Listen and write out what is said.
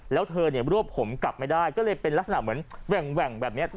แล้วเธอเนี่ยรวบผมกลับไม่ได้ก็เลยเป็นลักษณะเหมือนแหว่งแบบนี้